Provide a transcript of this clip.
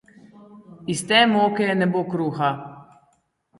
Iz te moke ne bo kruha.